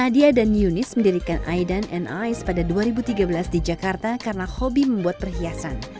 dua ribu tiga belas di jakarta karena hobi membuat perhiasan